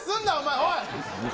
おい。